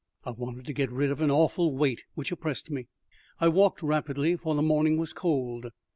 I wanted to get rid of an awful weight which oppressed me. I walked rapidly, for the morning was cold.